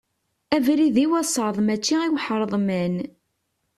Abrid i wasaḍ mačči i uḥreḍman.